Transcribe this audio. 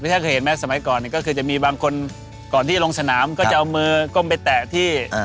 ท่านเคยเห็นไหมสมัยก่อนก็คือจะมีบางคนก่อนที่จะลงสนามก็จะเอามือก้มไปแตะที่